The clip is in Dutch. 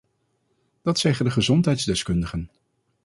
Dat zeggen de gezondheidsdeskundigen.